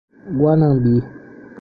Guanambi